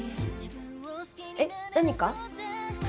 えっ何か？